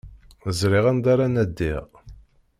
Ẓriɣ anda ara nadiɣ.